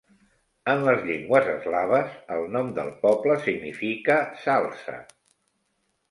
En les llengües eslaves, el nom del poble significa "salze".